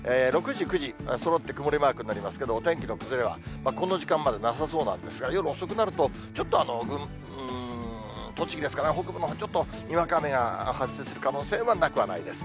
６時、９時、そろって曇りマークになりますけど、お天気の崩れは、この時間までなさそうなんですが、夜遅くなると、ちょっと栃木ですかね、北部のほうにちょっとにわか雨が発生する可能性はなくはないです。